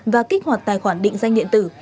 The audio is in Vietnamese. và kích hoạt tài khoản định danh điện tử